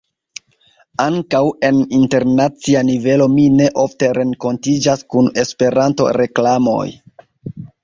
Ankaŭ en internacia nivelo mi ne ofte renkontiĝas kun Esperanto-reklamoj.